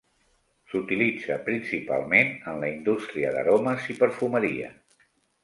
S'utilitza principalment en la indústria d'aromes i perfumeria.